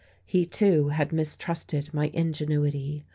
He, too, had mistrusted my ingenuity.